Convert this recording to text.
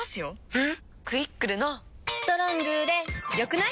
えっ⁉「クイックル」の「『ストロング』で良くない？」